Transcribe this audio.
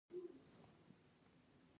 چاى به راغواړم.